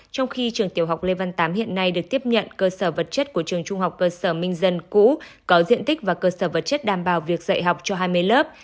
trong khi trường tiểu học lê văn tám hiện nay được tiếp nhận cơ sở vật chất của trường trung học cơ sở minh dân cũ có diện tích và cơ sở vật chất đảm bảo việc dạy học cho hai mươi lớp